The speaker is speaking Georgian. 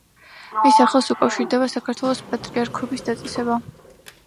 მის სახელს უკავშირდება საქართველოში პატრიარქობის დაწესება.